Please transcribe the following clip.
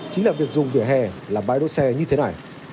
chính là việc dùng vỉa hè làm bãi đỗ xe như thế này